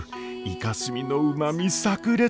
イカスミのうまみさく裂！